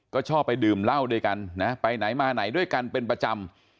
ก็ชอบไปดื่มเหล้าด้วยกันนะไปไหนมาไหนด้วยกันเป็นประจำ